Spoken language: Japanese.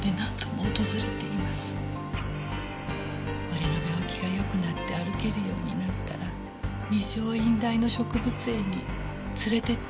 俺の病気がよくなって歩けるようになったら二条院大の植物園に連れてってくれって。